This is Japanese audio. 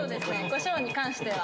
コショウに関しては。